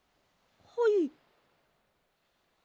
はい。